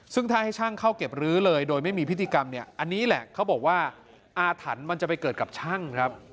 ซึ่งถ้าให้ช่างเข้าเก็บรื้อเลยโดยไม่มีพิธีกรรมเนี่ยอันนี้แหละเขาบอกว่าอาถรรพ์มันจะไปเกิดกับช่างครับ